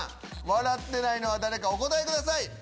笑ってないのは誰かお答えください。